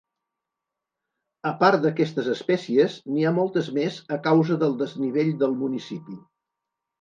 A part d'aquestes espècies, n'hi ha moltes més a causa del desnivell del municipi.